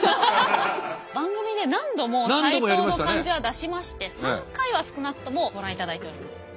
番組で何度も「サイトウ」の漢字は出しまして３回は少なくともご覧いただいております。